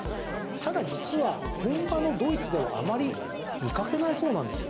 ただ、実は本場のドイツではあまり見かけないそうなんですよ。